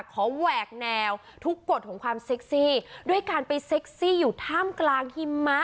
แหวกแนวทุกกฎของความเซ็กซี่ด้วยการไปเซ็กซี่อยู่ท่ามกลางหิมะ